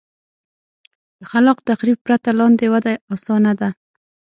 له خلاق تخریب پرته لاندې وده اسانه ده.